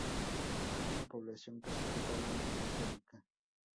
Es una población casi totalmente Católica.